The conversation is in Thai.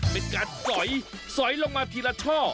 ไม่กัดสอยสอยลงมาทีละช่อ